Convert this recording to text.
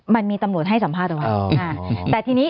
มันมีตำรวจให้สัมภาษณ์ต่อไป